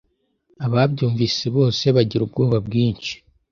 ababyumvise bose bagira ubwoba bwinshi